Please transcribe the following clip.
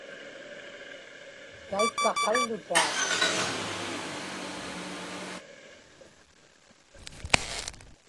taikka qallutaa